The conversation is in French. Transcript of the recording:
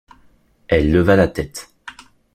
Elle leva la tête.